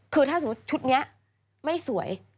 คือถ้าสมมุติชุดนี้ไม่สวย